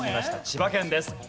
千葉県です。